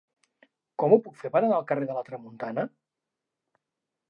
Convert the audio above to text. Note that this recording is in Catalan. Com ho puc fer per anar al carrer de la Tramuntana?